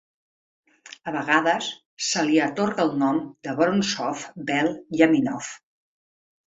A vegades se li atorga el nom de Vorontsov-Vel'yaminov.